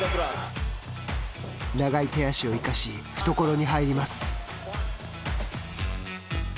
長い手足を生かし懐に入ります。